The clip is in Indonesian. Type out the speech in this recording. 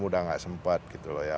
sudah tidak sempat gitu loh ya